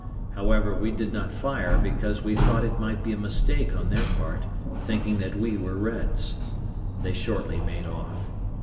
However, we did not fire because we thought it might be a mistake on their part, thinking that we were Reds. They shortly made off.